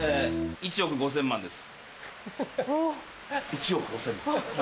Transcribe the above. １億５０００万です。